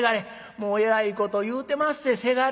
「もうえらいこと言うてまっせせがれ」。